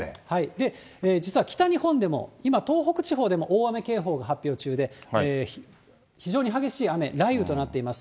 で、実は北日本でも今、東北地方でも大雨警報が発表中で、非常に激しい雨、雷雨となっています。